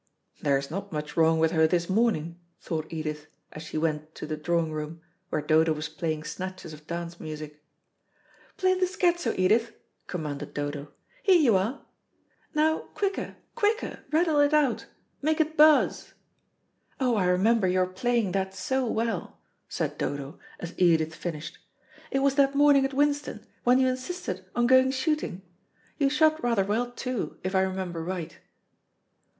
"There's not much wrong with her this morning," thought Edith, as she went to the drawing room, where Dodo was playing snatches of dance music. "Play the scherzo, Edith," commanded Dodo. "Here you are. Now, quicker, quicker, rattle it out; make it buzz." "Oh, I remember your playing that so well," said Dodo, as Edith finished. "It was that morning at Winston when you insisted on going shooting. You shot rather well, too, if I remember right."